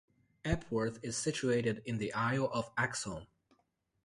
Epworth is situated in the Isle of Axholme.